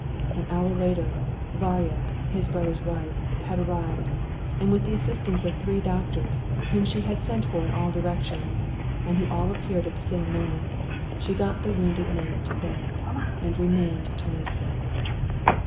An hour later Varya, his brother's wife, had arrived, and with the assistance of three doctors, whom she had sent for in all directions, and who all appeared at the same moment, she got the wounded man to bed, and remained to nurse him.